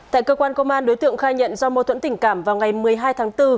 tại cơ quan công an đối tượng khai nhận do mâu thuẫn tình cảm vào ngày một mươi hai tháng bốn